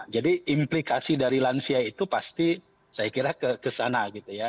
jadi implikasi dari lansia itu pasti saya kira ke sana